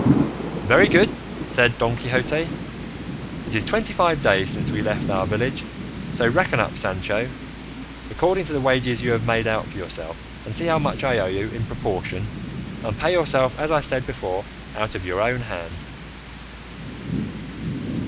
"Very good," said Don Quixote; "it is twenty five days since we left our village, so reckon up, Sancho, according to the wages you have made out for yourself, and see how much I owe you in proportion, and pay yourself, as I said before, out of your own hand."